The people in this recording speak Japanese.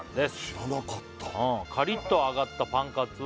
知らなかった「カリッと揚がったパンカツは」